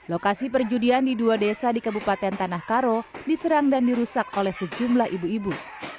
lokasi perjudian di dua desa di kabupaten tanah karo diserang dan dirusak oleh sejumlah ibu ibu